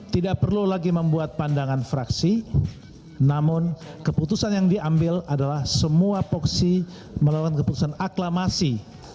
tidak perlu lagi membuat pandangan fraksi namun keputusan yang diambil adalah semua poksi melawan keputusan aklamasi